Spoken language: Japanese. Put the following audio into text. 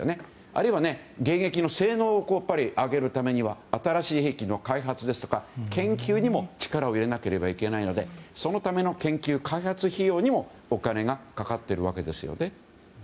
あるいは迎撃の性能を上げるためには新しい兵器の開発ですとか研究にも力を入れなければいけないのでそのための研究開発費用にもお金がかかっているわけですね。